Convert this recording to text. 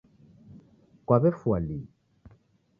Kwawefua lii?